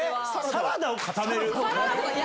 サラダを固める？